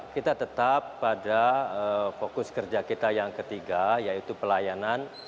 kita tetap pada fokus kerja kita yang ketiga yaitu pelayanan